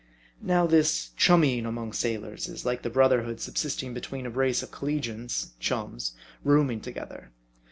MARDI. Now this chummying among sailors is like the brother hood subsisting between a brace of collegians (chums) room ing together.